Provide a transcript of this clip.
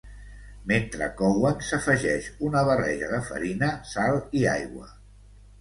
Mentre couen s'afegeix una barreja de farina, sal i aigua.